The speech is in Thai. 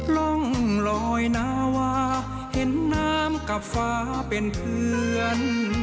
ร่องลอยนาวาเห็นน้ำกับฟ้าเป็นเพื่อน